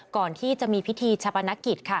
ก่อนที่จะมีพิธีชะปนกิจค่ะ